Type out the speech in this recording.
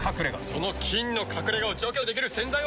その菌の隠れ家を除去できる洗剤は。